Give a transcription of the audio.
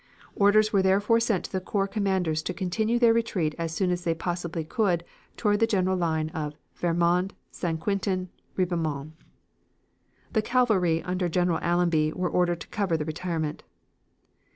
Orders were, therefore, sent to the corps commanders to continue their retreat as soon as they possibly could toward the general line Vermand St. Quentin Ribemont. "The cavalry under General Allenby, were ordered to cover the retirement.